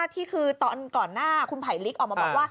ที่คือตอนก่อนหน้าคุณไผลลิกออกมาบอกว่า